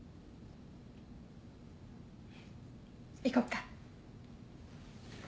行こっか。